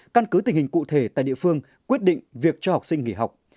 căn cứ tình hình cụ thể tại địa phương quyết định việc cho học sinh nghỉ học